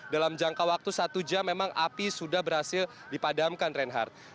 dalam jangka waktu satu jam memang api sudah berhasil dipadamkan reinhardt